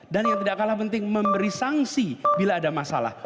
dan yang tidak kalah penting memberi sanksi bila ada masalah